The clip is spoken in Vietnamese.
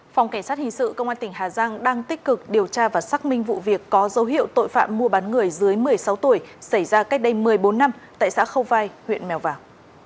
phòng cảnh sát hình sự công an tỉnh hà giang đang tích cực điều tra và xác minh vụ việc có dấu hiệu tội phạm mua bán người dưới một mươi sáu tuổi xảy ra cách đây một mươi bốn năm tại xã khâu vai huyện mèo vạc